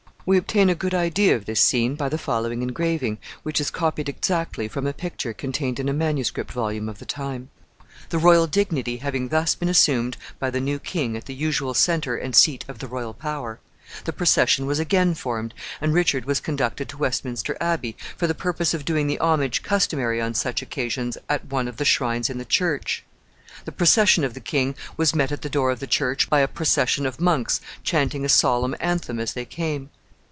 We obtain a good idea of this scene by the following engraving, which is copied exactly from a picture contained in a manuscript volume of the time. [Illustration: THE KING ON HIS THRONE.] The royal dignity having thus been assumed by the new king at the usual centre and seat of the royal power, the procession was again formed, and Richard was conducted to Westminster Abbey for the purpose of doing the homage customary on such occasions at one of the shrines in the church. The procession of the king was met at the door of the church by a procession of monks chanting a solemn anthem as they came.